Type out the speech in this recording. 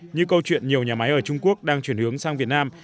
như câu chuyện nhiều nhà máy ở trung quốc đang chuyển hướng sang việt nam